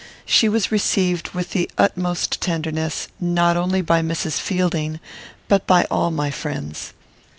She was received with the utmost tenderness, not only by Mrs. Fielding, but by all my friends.